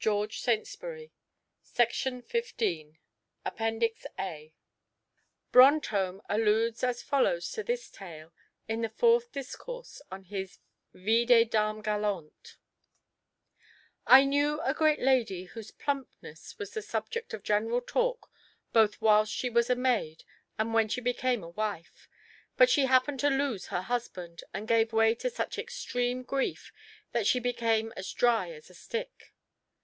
jpg Tailpiece] APPENDIX. A. (Tale XX., Page 21.) Brantôme alludes as follows to this tale, in the Fourth Discourse of his Vies des Dames Galantes: "I knew a great lady whose plumpness was the subject of general talk both whilst she was a maid and when she became a wife, but she happened to lose her husband, and gave way to such extreme grief that she became as dry as a stick.